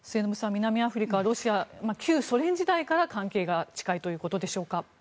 南アフリカは旧ソ連時代から関係が近いということでしょうか。